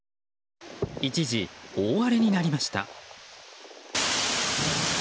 一時大荒れになりました。